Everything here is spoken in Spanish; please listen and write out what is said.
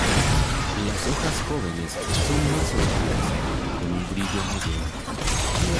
Las hojas jóvenes son más oscuras, con un brillo mayor.